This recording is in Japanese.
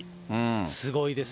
すごいです。